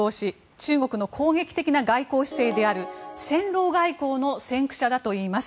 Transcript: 中国の攻撃的な外交姿勢である戦狼外交の先駆者だといいます。